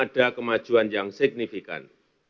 ada kemajuan yang signifikan